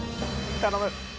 頼む。